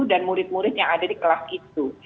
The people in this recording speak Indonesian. dan murid murid yang ada di kelas itu